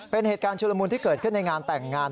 เป็นเหตุการณ์ชุลมุนที่เกิดขึ้นในงานแต่งงาน